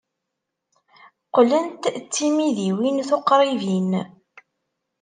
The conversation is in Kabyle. Qqlent d timidiwin tuqribin.